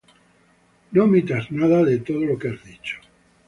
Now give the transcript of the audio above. no omitas nada de todo lo que has dicho.